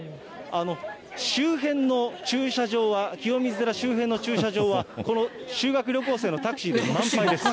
周辺の駐車場は、清水寺周辺の駐車場は、この修学旅行生のタクシーで満杯です。